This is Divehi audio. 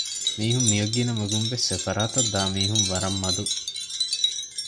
މީހުން މިއޮއް ގިނަ މަގުންވެސް އެފަރާތަށްދާ މީހުން ވަރަށް މަދު